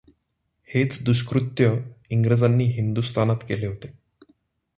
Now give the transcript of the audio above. हेच दुष्कृत्य इंग्रजांनी हिंदुस्थानात केले होते.